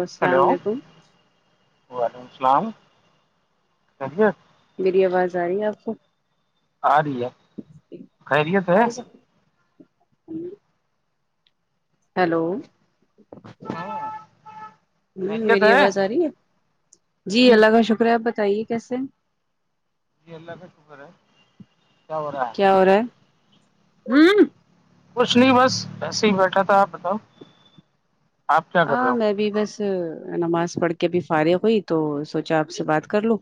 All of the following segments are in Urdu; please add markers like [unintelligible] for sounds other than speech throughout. السلام ہلو علیکم وعلیکم السلام خیریت میری آواز آ رہی ہے آپ کو آ رہی ہے خیریت ہے ہیلو ہاں خیریت میری ہے آواز آ رہی ہے جی اللہ کا شکر آپ بتاے کہیے کیسے جی اللہ کا شکر ہے کیا ہو رہا ہے ہمم کچھ نہیں بس ایسے ہی بیٹھا تھا آپ بتاؤ آپ کیا کر رہے ہاں ہو میں بھی بس نماز پڑھ کے ابھی فارغ ہوئی تو سوچا آپ سے بات کر لو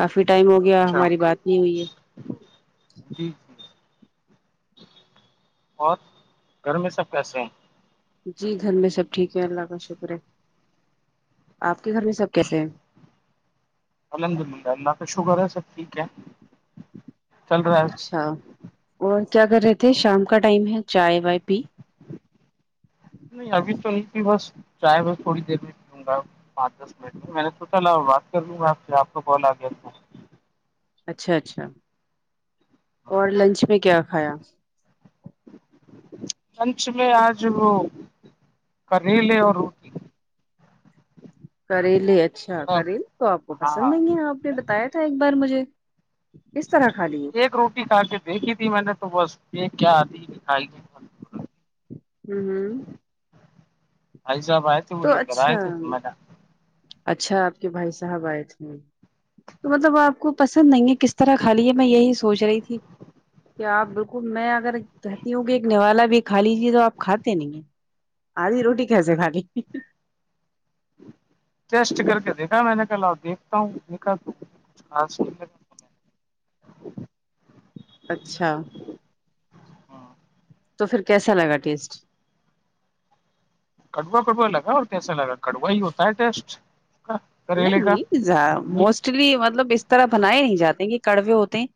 کافی ٹائم ہو گیا اچھا ہماری بات نہیں ہوئی ہے جی جی اور گھر میں سب کیسے ہیں جی گھر میں سب ٹھیک ہے اللہ کا شکر ہے آپ کے گھر میں سب کیسے ہیں الحمد للہ اللہ کا شکر ہے سب ٹھیک ہے چل رہا ہے اچھا اور کیا کر رہے تھے شام کا ٹائم ہے چائے وائے پی نہیں ابھی تو نہیں بس چاہے بس تھوڑی دیر میںلوں گا پانچ دس منٹ میں میں نے اور بات کر لوں میں آپ سے آپ کو کال آ گیا ہوں اچھا اچھا اور لنچ میں کیا کھایا لنچ میں آج وہ کریلے اور کریلے اچھا مطلب کریلے تو آپ کو پسند ہاں نہیں ہے آپ نے بتایا تھا ایک بار مجھے کس طرح کھا لیے ایک روٹی کھا کے دیکھی تھی میں نے تو بس یہ کیا آدھی ہی کھائ ہوں ہوں بھائی صاحب آے تھے تو وہی لے کر آئے اچھا تھے منا اچھا آپ کے بھائی صاحب آئے تھے تو مطلب وہ آپ کو پسند نہیں ہے کس طرح کھا لی ہے میں یہی سوچ رہی تھی کیا آپ بالکل میں اگر کہتی ہوں کہ ایک نوالا بھی کھا لیجے تو آپ کھاتے نہیں ہیں آدھی روٹی کیسے کھا لی ٹیسٹ کر کے دیکھا میں نے کل دیکھتا ہوں دیکھا تو لگا اچھا ہاں تو پھر کیسا لگا ٹیسٹ کڑوا کڑوا لگا اور کیسا لگا کڑوا ہی ہوتا ہے ٹیسٹ کا کریلے کا نہیں موسٹلی مطلب اس طرح بنائے نہیں جاتے کہ کڑوے ہوتے ہیں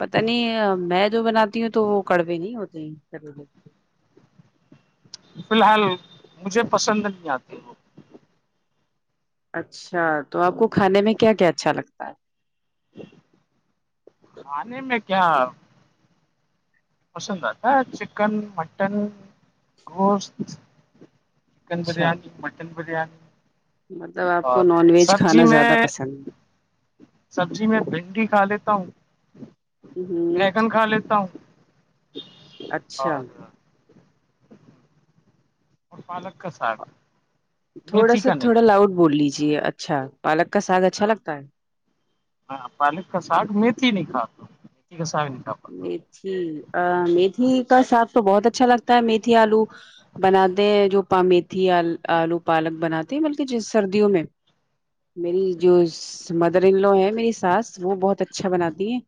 پتا نہیں میں جو بناتی ہوں تو وہ کڑوے نہیں ہوتے ہیں فیلحال مجھے پسند نہیں آتی اچھا تو آپ کو کھانے میں کیا کیا اچھا لگتا ہے [inaudible] کانے میں کیا پسند آتا ہے چکن مٹن گوشت چکن اچھا بریانی مٹن بریانی مطلب آپ کو اور نان ویج سبزی کھانا زیادہ میں پسند ہے سبزی میں بھنڈی کھا لیتا ہوں ہوں، مگن کھا لیتا ہوں اچھا اور اور پالک کا ساگ تھوڑا میتھی سا کا نہیں تھوڑا لاؤڈ بول لیجیے اچھا پالک کا ساگ اچھا لگتا ہے ہاں پالک کا ساگ میتھی نہیں کھاتا میتھی کا ساگ نہیں کھاتا میتھی میتھی کا ساگ تو بہت اچھا لگتا ہے میتھی آلو بناتے ہیں جو پمییتھی آلو پالک بناتے ہیں بلکہ ج سردیوں میں میری جو مدر ان لو ہے میری ساس وہ بہت اچھا بناتی ہیں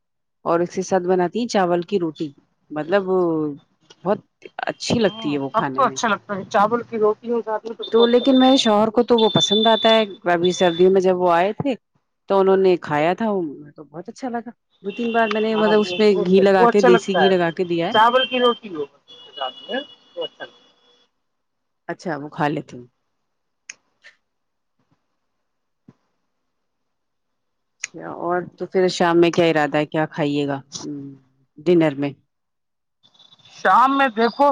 اور اس کے ساتھ بناتی ہیں چاول کی روٹی مطلب بہت اچھی لگتی ہاں ہے وہ تب کھانے تو میں اچھا لگتا ہے چاول کی روٹی ہو ساتھ میں تب تو اچھا لیکن میں لگتا ہے شوہر کو تو وہ پسند آتا ہے ابھی سردیوں میں جب وہ آئے تھے تو انہوں نے کھایا تھا وہ بہت اچھا لا دو تین بار میں نے ہاں اس وہ میں وہ گھی سر لگا وہ کے اچھا دیسی لگتا گھی ہے لگا کے دیا ہے چاول کی روٹی ہو ساتھ میں وہ اچھا لگتا ہے اچھا وہ خالیتے اچھا اور تو پھر شام میں کیا ارادہ ہے کیا کھائیے گا ہ ڈنر میں ہے۔ شام میں دیکھو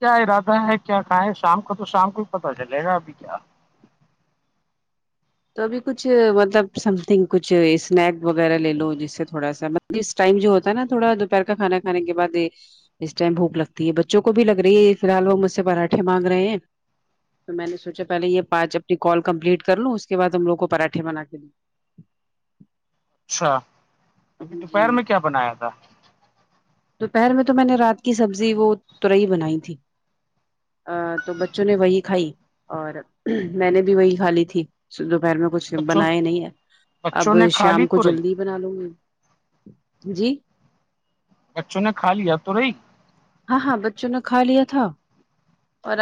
کیا ارادہ ہے کیا کھائےیں شام کا تو شام کو ہی پتاہ چلے گا ابھی کیا تو ابھی کچھ مطلب سم تھنگ کچھ اسنیک وغیرہ لے لو جس سے تھوڑا سا اسس ٹائم جو ہوتا ہے نا تھوڑا دوپہر کا کھانا کھانے کے بعد یہ اس ٹائم بھوک لگتی ہے بچوں کو بھی لگ رہی ہے فیحال وہ مجھ سے پراٹھے مانگ رہے ہیں تو میں نے سوچا پہلے یہ پانچ اپنی کال کمپلیٹ کر لوں اس کےعد ہم لوگ کو پراھے بنا کے د اچھا ابھی دوں دوپہر جی میں کیا بنایا تھا تو پہر میں تو میں نے رات کی سبزی وہ ترئی بنائی تھی ا تو بچوں نے وہی کھائی اور میں نے بھی وہی کھا لی تھی دوپہر میں کچھ بچوں بنائے نہیں ہے اب بچوں نے کھا لی شام کو تو رہی جلدی ہی بنا لوں گی جی بچوں نے کھا لیا تو رہی ہاں ہاں بچوں نے کھا لیا تھا اور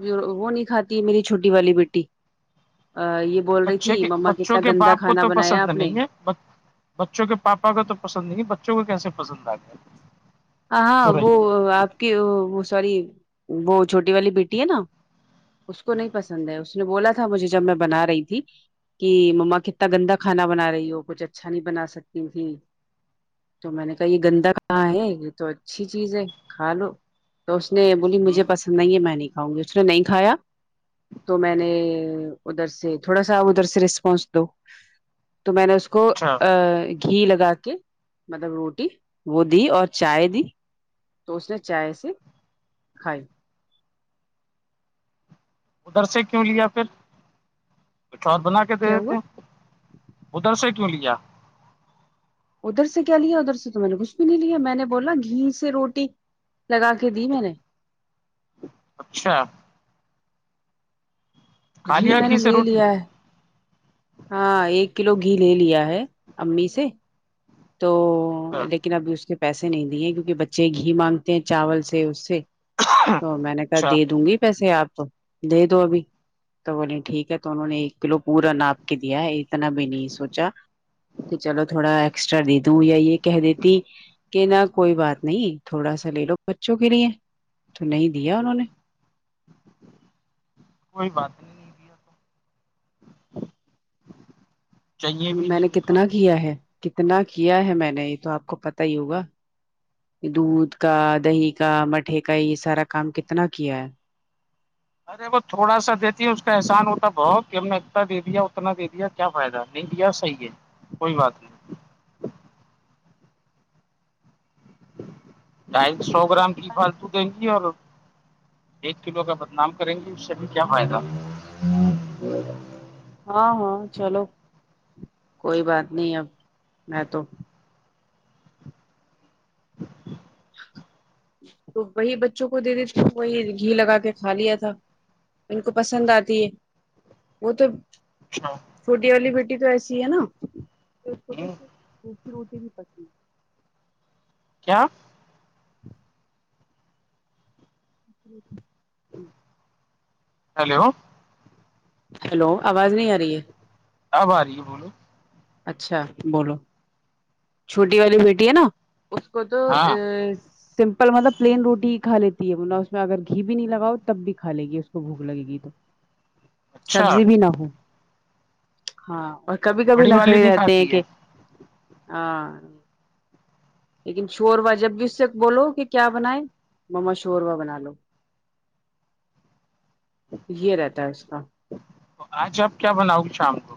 وہ نہیں کھاتی میری چھوٹی والی بیٹی یہ بول رہی بچے تھی کے مما بچوں کتنا کے گندا باپ کو کھانا تو بنایا پسند آپ نے نہیں ہے بچوں کے پاپا کا تو پسند نہیں ہے بچوں کو کیسے پسند آ گیا ہاں تو رہی وہ آپ کی سوری وہ چھوٹی والی بیٹی ہے نا اس کو نہیں پسند ہے اس نے بولا تھا مجھے جب میں بنا رہی تھی کہ مما کتنا گندا کھانا بنا رہی ہو کچھ اچھا نہیں بنا سکتی تھی تو میں نے کہا یہ گندا کہاں ہے تو اچھی چیز ہے کھا لو تو اس نے بولی ہ مجھے پسند نہیں ہے میں نے کی ہؤں ج اس نے نہیں کایا تو میں نے ادھر سے تھوڑا سا ادھر سے رسپانس دو تو میں نے اس کو اچھا گھی لگا کے مطلب روٹی وہ دی اور چائے دی تو اس نے چائے سے کھائی ادھر سے کیوں لیا پھر کچھ اور بنا کے دے کیا دیتے ہوا ادھر سے کیوں لیا ادھر سے کیا لیا ادھر سے تو میں نے کچھ بھی نہیں لیا میں نے بولا گھی سے روٹی لگا کے دی میں نے اچھا کھا گھی لیا میں نے سے لے روٹی لیا ہے ہاں ایک کلو گھی لے لیا ہے امی سے تو لیکن ابھی اس کے پیسے نہیں دی ہیں کیونکہ بچے گھی مانگتے ہیں چاول سے اس سے تو میں نے کہا اچھا دے دوں گی پیسے آپ تو دے دو ابھی تو بوولے ٹھیک ہے تو انہوں نے ایک کلو پورا ناپ کے دیا ہے اتنا بھی نہیں سوچا تو چلو تھوڑا ایکسٹرا دے دوں یا یہ کہہ دیتی کہ نہ کوئی بات نہیں تھوڑا سا لے لو بچوں کے لیے تو نہیں دیا انہوں نے کوئی بات نہیں تو [inaudible] چاہیے بھی میں نہیں نے ملا کتنا کیا ہے کتنا کیا ہے میں نے یہ تو آپ کو پتا ہی ہوگا دودھ کا دہی کا مٹھے کا یہ سارا کام کتنا کیا ہے ارے وہ تھوڑا سا دیتی ہے اس کا احسان ہوتا ہے بہت کہ ہم نے اتنا دے دیا اتنا دے دیا کیا فائدہ نہیں لیا صحیح ہے کوئی بات نہیں ڈائ سو تو گرام کی فالتو دیں گی اور ایک کلو کا بدنام کریں گے اس سے بھی کیا فائدہ ہاں ہاں چلو کوئی بات نہیں اب میں تو [inaudible] تو وہی بچوں کو دے دی تھی وہی گھی لگا کے کھا لیا تھا ان کو پسند آتی ہے وہ تو اچھا چھوٹی والی بیٹی تو ایسی ہے نا کہ اس کو تو روٹی بھی پسند ہے کیا [inaudible] [inaudible] ہیلو ہیلو آواز نہیں آ رہی ہے اب آ رہی ہے بولو اچھا بولو چھوٹی والی بیٹی ہے نا اس کو تو ہاں سمپل مطلب پلین روٹی کھا لیتی ہےنا اس میں اگر گھی بھی نہیں لگاؤ تب بھی کھ لے گی اس کو بھوک لگ گی تو اچھا سبزی بھی نہ ہو ہاں اور کبھی کبھی بڑی والی نخرے نہیں رہتے ہیں کھاتی ہے کہ ہاں لیکن شوربا جب بھی اس سے بولو کہ کیا بنائے مما شوربا بنا لو یہ رہتا ہے اس کا تو آج آپ کیا بناؤ شام کو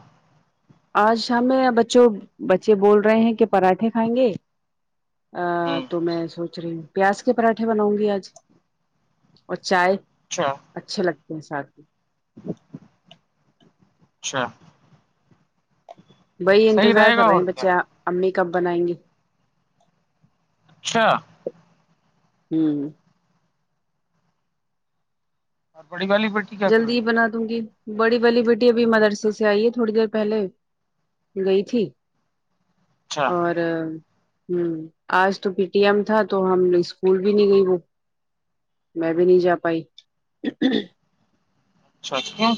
آج شام میں بچوں بچے بول رہے ہیں کہ پراٹھے کھائیں گے ا ہ تو میں سوچ رہی ہوں پیاز کے پراٹھے بناؤں گی آج اور چائے اچھا اچھے لگتے ہیں ساتھ میں اچھا صحیح انتظار گا کر رہے اور ہیں کیا بچے امی کب بنائیں گے اچھا ہوں اور بڑی والی بیٹی کیا کر جلدی رہی ہی ہے بنا دوں گی بڑی والی بیٹی ابھی مدرسے سے آئی ہے تھوڑی دیر پہلے گئی تھی اچھا اور آج تو پی ٹی ایم تھا تو ہم اسکول بھی نہیں گئی وہ میں بھی نہیں جا پائی اچھا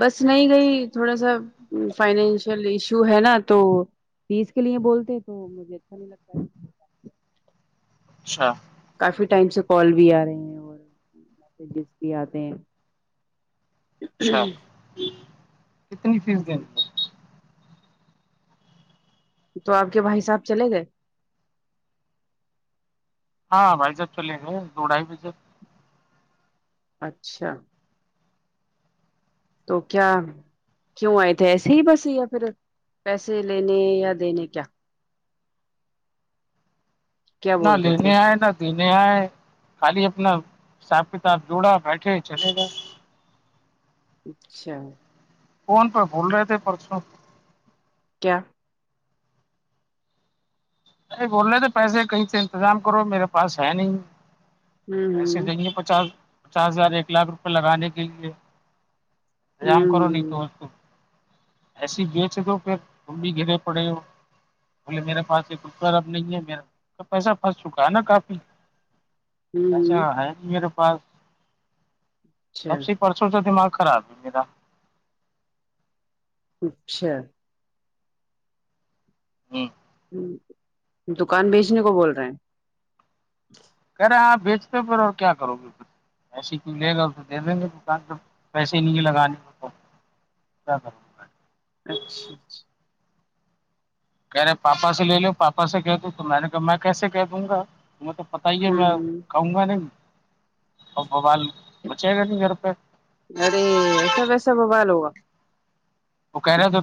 بس نہیں گئی تھوڑا سا فائنینشیل ایشو ہے نا تو فیس کے لیے بولتے ہیں تو مجھے اچھا نہیں لگتا ہے اچھا کافی ٹائم سے کال بھی آ رہے ہیں اور میسجز بھی آتے ہیں اچھا کتنی فیس جی دینی ہے تو آپ کے بھائیساب چلے گئے ہاں بھائی جب چلیں گے دوڑائی بھی جب اچھا تو کیا کیوں آئے تھے ایسے ہی بس یا پھر پیسے لینے یا دینے کیا کیا نہ بول رہے لے تھے نہیں آئے ن نہیں آئے خالی اپنا حساب کتاب جوڑا بیٹھے چلے گئے اچھا فون پہ بول رہے تھے پرسوں کیا نہیں بول رہے تھ پیسے کہیں سے انتظام کرو میرے پاس ہے نہیں ہوں ہوں دیں گے پچاس پچاس ہزار ایک لاکھ روپے لگانے کے لیے انتظام کرو نہیں تو و ہوں ایسی بیچ دو پھر تم بھی گرے پڑے ہو بولے میرے پاس پر اب نہیں ہے میرا پیسہ پھنس چکا ہے نا کافی اچھا ہوں ہ ہ ہے ج میرے پاس اچھا سب سے پرسوں سے دماغ خراب ہے میرا اچھ [unintelligible] ہ دکان بیچنے کو بول رہے ہیں کرے آپ بیچتے پھر اور کیا کرو گ ایسے کیوں لے گا تو دے دیں گے دکان پ پیسے نہیں ہے لگانے کو تو [unintelligible] اچھا اچ کہہ رہے پاپا سے لے ل پاپا سے کہ د تو میں نے کہا میں کیسے کہہ دوں گا تمہیں تو پتہ ہی ہے ہوں میں ہوں کہوں گا نہیں اور بوال بچے گا نہیں گھر پہ ارے ایسا ویسا بوال ہوگا تو کہہ رہے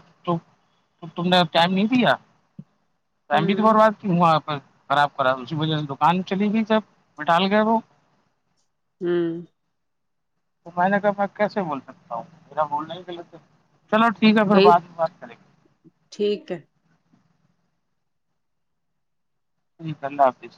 تم نے ٹائم نہیں دیا ٹائم بھی تو ہوں برباد وہاں پ خراب خراب اسی وجہ سے دکان چلی گئی جب مٹال گئے وہ ہوں تو میں نے کہا میں کیسے بول سکتا ہوں میرا بولنا ہی کہل سے چلو ٹھیک ہے پھر کہئی بع میں بات کریں گے [unintelligible] ٹھیک ہے اللہ حافظ